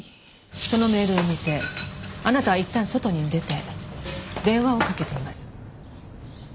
そのメールを見てあなたはいったん外に出て電話をかけています。